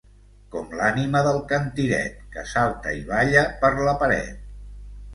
Com l'ànima del cantiret, que salta i balla per la paret.